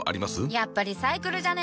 やっぱリサイクルじゃね？